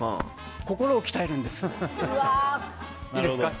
心を鍛えるんです。